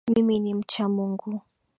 Mimi ni mcha Mungu